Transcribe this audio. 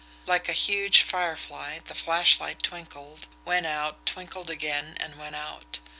Like a huge firefly, the flashlight twinkled, went out, twinkled again, and went out.